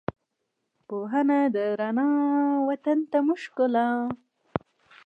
پوهنه ده رڼا، وطن ته مو ښکلا